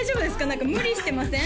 何か無理してません？